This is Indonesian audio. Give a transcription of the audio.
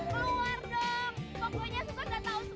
dengar suara susan